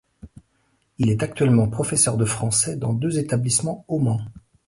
Il est actuellement professeur de français dans deux établissements au Mans.